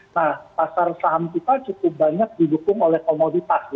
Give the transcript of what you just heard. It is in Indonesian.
nah pasar saham kita cukup banyak didukung oleh komoditas